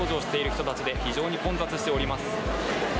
人たちで非常に混雑しております。